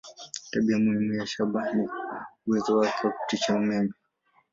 Tabia muhimu ya shaba ni uwezo wake wa kupitisha umeme.